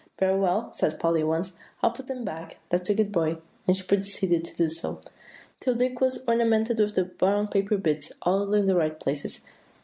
] "Very well," said Polly once more; "I'll put them back; that's a good boy;" and she proceeded to do so, till Dicky was ornamented with the brown paper bits, all in the right places.